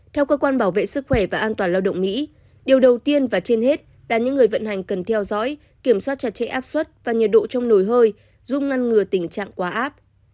theo cơ quan bảo vệ sức khỏe và an toàn lao động mỹ điều đầu tiên và trên hết là những người vận hành cần theo dõi kiểm soát chặt chẽ áp suất và nhiệt độ trong nồi hơi giúp ngăn ngừa tình trạng quá áp